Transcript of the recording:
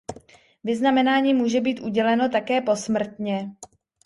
Vyznamenání může být uděleno také posmrtně.